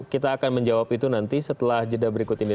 kita akan menjawab itu nanti setelah jeda berikut ini